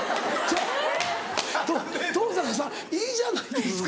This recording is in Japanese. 登坂さんいいじゃないですか。